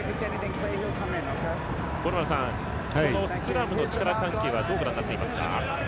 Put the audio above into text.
このスクラムの力関係はどうご覧になっていますか。